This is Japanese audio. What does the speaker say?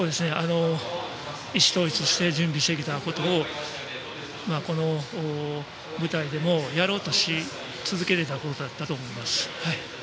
意思統一して準備してきたことをこの舞台でもやろうとし続けれたことだと思います。